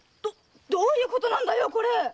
⁉どういうことなんだよこれ？